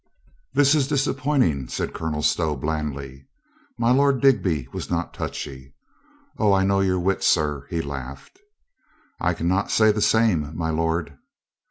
"That is disappointing," said Colonel Stow blandly. My Lord Digby was not touchy. "O, I know your wit, sir," he laughed. "I can not say the same, my lord."